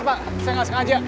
saya gak sengaja